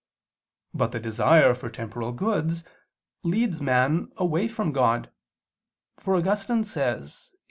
But the desire for temporal goods leads man away from God: for Augustine says (Qq.